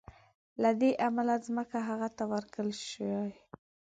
له دې امله ځمکه هغه ته ورکول شي.